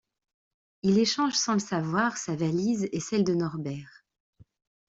Il échange sans le savoir sa valise et celle de Norbert.